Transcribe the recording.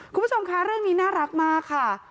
คุณผู้ชมคะเรื่องนี้น่ารักมากค่ะ